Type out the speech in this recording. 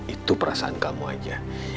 itu perasaan kamu aja